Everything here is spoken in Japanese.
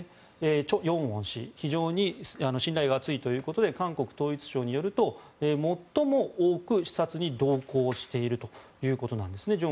チョ・ヨンウォン氏は非常に信頼が厚いということで韓国統一省によると正恩氏の最も多く視察に同行しているということです。